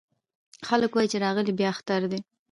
خلک وايې چې راغلی بيا اختر دی